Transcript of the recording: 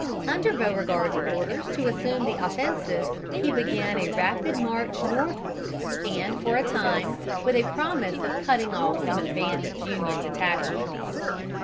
Under Beauregard's orders to assume the offensive, he began a rapid march northward, and for a time with a promise of cutting off some advanced Union detachments.